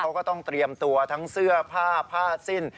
เขาก็ต้องเตรียมตัวทั้งเสื้อผ้าผ้าสิ้น